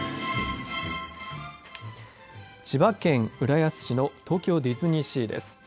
千葉県浦安市の東京ディズニーシーです。